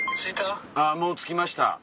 もう着きました